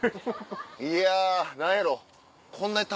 いや何やろ。